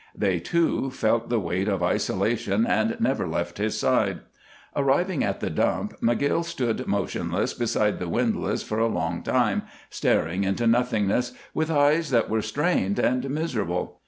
They, too, felt the weight of isolation and never left his side. Arriving at the dump, McGill stood motionless beside the windlass for a long time, staring into nothingness with eyes that were strained and miserable.